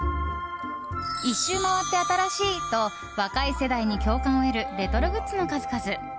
一周回って新しいと若い世代に共感を得るレトログッズの数々。